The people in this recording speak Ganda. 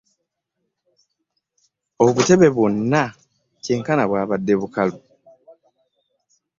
Obutebe bwonna kyenkana bwabadde bukalu!